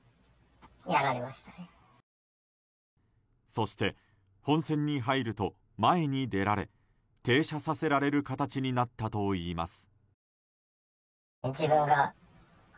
そして、本線に入ると前に出られ停車させられる形になったといいます。